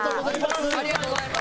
ありがとうございます。